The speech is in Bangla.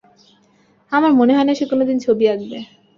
আমার মনে হয় না সে কোনোদিন ছবি আঁকবে।